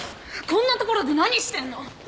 こんな所で何してんの！？